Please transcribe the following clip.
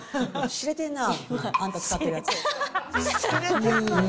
しれてんな、あんた使ってるやつ。